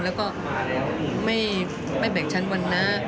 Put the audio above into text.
แล้วก็ไม่แบ่งชั้นวันนะ